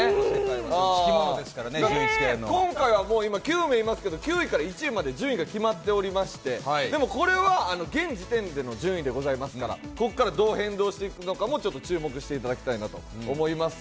今回は今、９名いますけど、９位から１位まで順位が決まっていまして、でもこれは現時点での順位ですからどう変動していくかも注目していただきたいと思います。